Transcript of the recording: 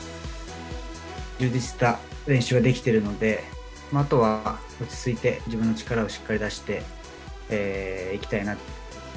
充実した練習ができてるので、あとは落ち着いて、自分の力をしっかり出していきたいな。